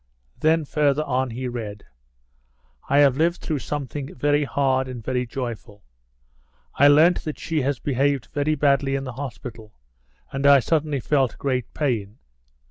Then further on he read. "I have lived through something very hard and very joyful. I learnt that she has behaved very badly in the hospital, and I suddenly felt great pain.